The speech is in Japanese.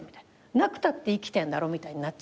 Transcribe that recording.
なくたって生きてんだろみたいになっちゃうわけ。